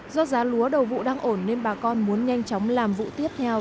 do giá lúa đầu vụ đang ổn nên bà con muốn nhanh chóng làm vụ tiếp theo